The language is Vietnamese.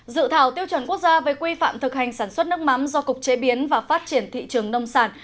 dự thảo tiêu chuẩn quốc gia về quy phạm thực hành sản xuất nước mắm do cục chế biến và phát triển thị trường nông sản